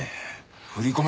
振り込め